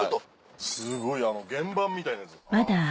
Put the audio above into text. すごい原盤みたいなやつです。